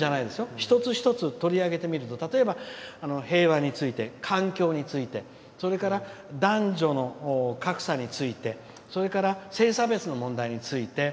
一つ一つ取り上げてみると例えば、平和について環境についてそれから男女の格差についてそれから性差別の問題について。